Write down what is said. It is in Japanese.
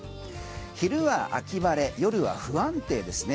昼は秋晴れ、夜は不安定ですね。